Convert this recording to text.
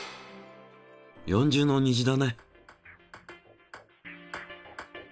４重の虹だね。